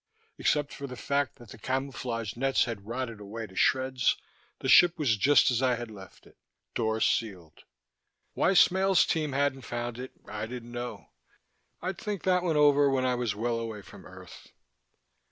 Except for the fact that the camouflage nets had rotted away to shreds, the ship was just as I had left it, doors sealed. Why Smale's team hadn't found it, I didn't know; I'd think that one over when I was well away from Earth.